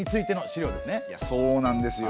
そうなんですよ。